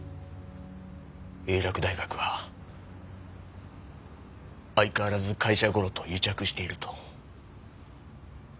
英洛大学は相変わらず会社ゴロと癒着していると。